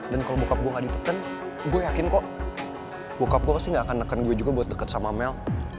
dan kalau bokap gue gak ditekan gue yakin kok bokap gue pasti gak akan neken gue juga buat deket sama mel